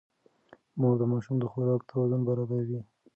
مور د ماشوم د خوراک توازن برابروي.